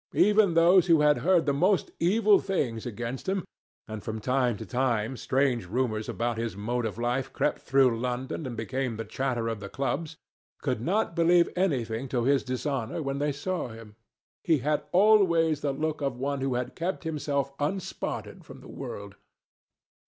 Even those who had heard the most evil things against him—and from time to time strange rumours about his mode of life crept through London and became the chatter of the clubs—could not believe anything to his dishonour when they saw him. He had always the look of one who had kept himself unspotted from the world.